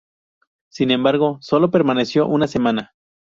Sin embargo, solo permaneció una semana.